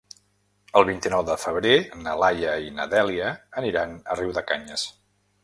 El vint-i-nou de febrer na Laia i na Dèlia aniran a Riudecanyes.